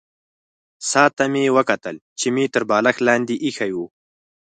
ساعت ته مې وکتل چې مې تر بالښت لاندې ایښی وو.